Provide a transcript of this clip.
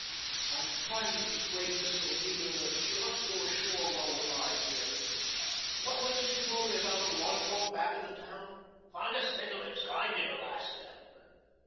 "I'm trying to persuade Miss O'Neill that she ought to go ashore while we're lying here. What was it you told me about the waterfall back of the town?" "Finest thing of its kind in Alaska.